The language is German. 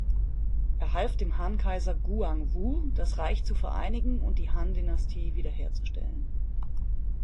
Er half dem Han-Kaiser Guangwu, das Reich zu vereinigen und die Han-Dynastie wiederherzustellen.